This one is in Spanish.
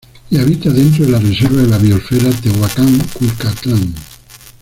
Y habita dentro de la Reserva de la Biósfera Tehuacán-Cuicatlán.